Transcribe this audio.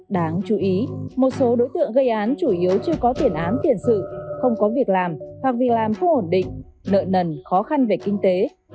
đáng chú ý một số đối tượng gây án chủ yếu chưa có tiền án tiền sự không có việc làm hoặc việc làm không ổn định nợ nần khó khăn về kinh tế